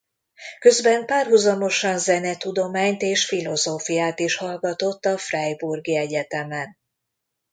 Közben párhuzamosan zenetudományt és filozófiát is hallgatott a Freiburgi Egyetemen.